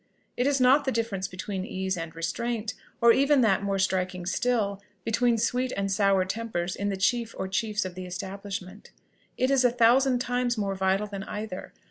It is not the difference between ease and restraint, or even that more striking still, between sweet and sour tempers in the chief or chiefs of the establishment; it is a thousand times more vital than either.